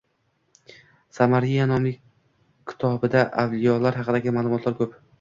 Samariya nomli kitobida avliyolar haqidagi ma’lumotlar ko‘p